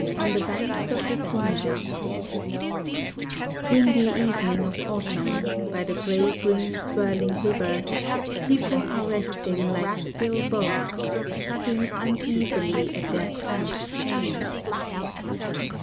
On the Banks of the Sumida Windy evening of autumn, By the grey green swirling river, People are resting like still boats Tugging uneasily at their cramped chains.